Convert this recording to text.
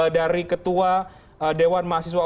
dari ketua dewan mahasiswa